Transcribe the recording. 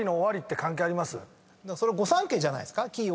それ御三家じゃないですか？